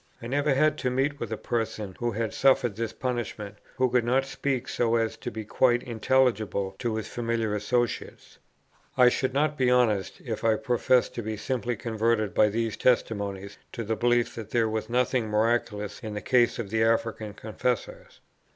I never had to meet with a person who had suffered this punishment, who could not speak so as to be quite intelligible to his familiar associates." I should not be honest, if I professed to be simply converted, by these testimonies, to the belief that there was nothing miraculous in the case of the African confessors.